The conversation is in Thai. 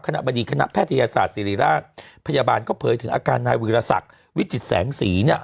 บดีคณะแพทยศาสตร์ศิริราชพยาบาลก็เผยถึงอาการนายวิรสักวิจิตแสงสีเนี่ย